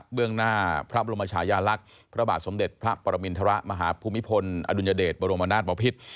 เบื้องหน้าพระบรมชายาลักษณ์พระบาทสมเด็จพระปรมินทรมาฮภูมิพลอดุลยเดชบรมนาศบพิษ